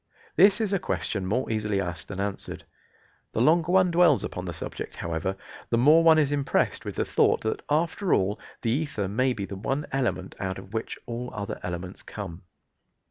This is a question more easily asked than answered. The longer one dwells upon the subject, however, the more one is impressed with the thought that after all the ether may be the one element out of which all other elements come.